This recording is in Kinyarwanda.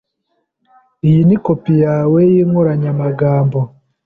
Iyi ni kopi yawe yinkoranyamagambo?